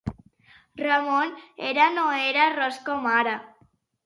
Ramon Erra no era ros com ara.